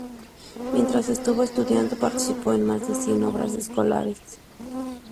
Mientras estuvo estudiando participó en más de cien obras escolares.